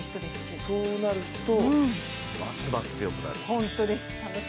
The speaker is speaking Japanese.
そうなるとますます強くなる。